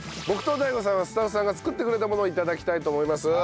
僕とＤＡＩＧＯさんはスタッフさんが作ってくれたものを頂きたいと思います。